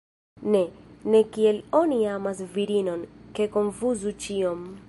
Ne, ne kiel oni amas virinon, ne konfuzu ĉion.